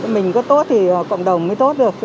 mình có tốt thì cộng đồng mới tốt được